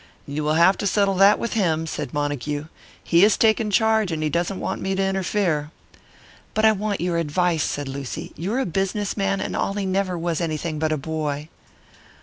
"You will have to settle that with him," said Montague. "He has taken charge, and he doesn't want me to interfere." "But I want your advice," said Lucy. "You are a business man, and Ollie never was anything but a boy."